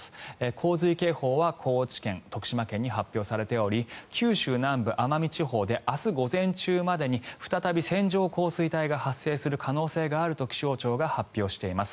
洪水警報は高知県、徳島県に発表されており九州南部、奄美地方で明日午前中までに再び線状降水帯が発生する可能性があると気象庁が発表しています。